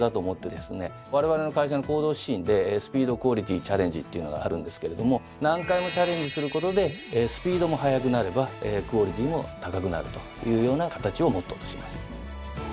われわれの会社の行動指針で「スピード・クオリティ・チャレンジ」っていうのがあるんですけれども何回もチャレンジすることでスピードも速くなればクオリティーも高くなるというような形をモットーとしてます。